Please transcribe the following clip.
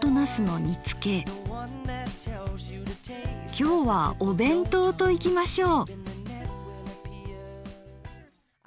きょうはお弁当といきましょう。